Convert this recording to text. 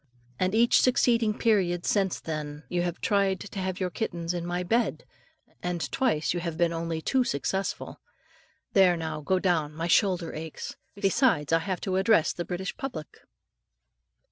And each succeeding period since then, you have tried to have your kittens in my bed, and twice you have been only too successful. There, now, go down, my shoulder aches; besides, I have to address the British public.